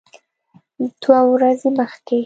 دوه ورځې مخکې